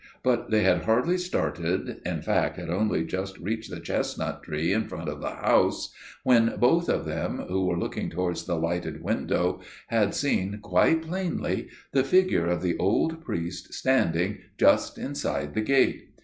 But they had hardly started, in fact had only just reached the chestnut tree in front of the house, when both of them, who were looking towards the lighted windows, had seen quite plainly the figure of the old priest standing just inside the gate.